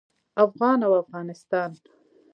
افغان او افغانستان